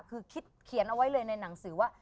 คือคิดเขียนเอาไว้เลยในหนังสือว่า